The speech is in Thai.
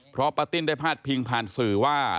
เพราะป้าติ้นได้พาดพิงผ่านสื่อว่า